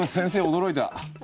驚いた？